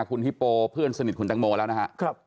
ที่เป็นพี่โป้เพื่อนสนิทคุณตังโมแล้วนะฮะ